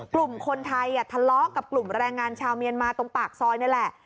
กลุ่มคนไทยทะเลาะกับกลุ่มแรงงานชาวเมียนมาตรงปากซอยนี่แหละ